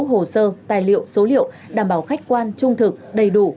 hồ sơ tài liệu số liệu đảm bảo khách quan trung thực đầy đủ